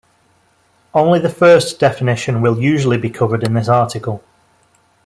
Only the first definition will usually be covered in this article.